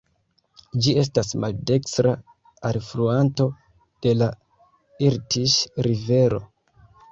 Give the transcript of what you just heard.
Ĝi estas maldekstra alfluanto de la Irtiŝ-rivero.